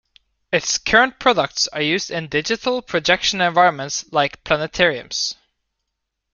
Its current products are used in digital projection environments like planetariums.